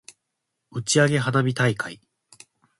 打ち上げ花火大会